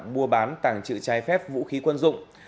mua bán tàng trự trái phép vũ khí quân dụng